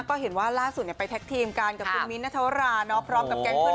ก็เห็นว่าล่าสุดไปแท็กทีมกันกับคุณมิ้นทวราพร้อมกับแก๊งเพื่อน